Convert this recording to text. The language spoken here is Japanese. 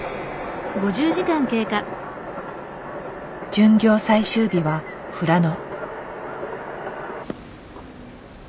巡業最終日は富良野。